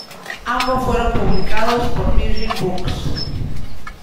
Ambos fueron publicados por "Virgin Books".